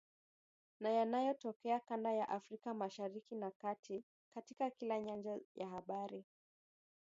na yanayotokea kanda ya Afrika Mashariki na Kati, katika kila nyanja ya habari.